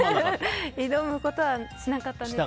挑むことはしなかったんですけど。